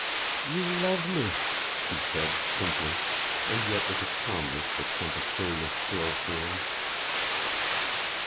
"You love me," she said, simply, and yet with a calmness that sent a curious thrill through him.